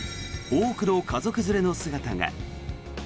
多くの家族連れの姿が。